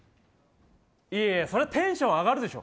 いやいやそりゃテンション上がるでしょ。